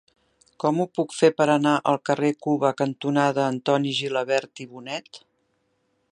Com ho puc fer per anar al carrer Cuba cantonada Antoni Gilabert i Bonet?